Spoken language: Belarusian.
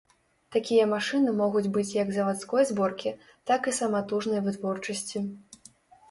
Такія машыны могуць быць як завадской зборкі, так і саматужнай вытворчасці.